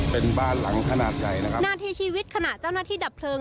เป็นบ้านหลังขนาดใหญ่นะครับนาทีชีวิตขณะเจ้าหน้าที่ดับเพลิง